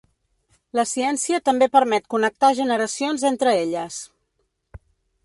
La ciència també permet connectar generacions entre elles.